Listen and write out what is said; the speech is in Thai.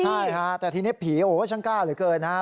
ใช่ฮะแต่ทีนี้ผีโอ้โหฉันกล้าเหลือเกินนะฮะ